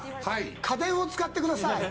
家電を使ってください。